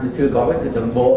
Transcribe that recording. chưa có cái sự tầm bộ